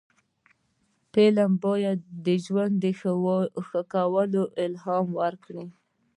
فلم باید د ژوند د ښه کولو الهام ورکړي